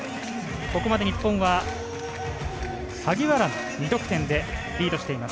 ここまで日本は萩原が２得点でリードしています。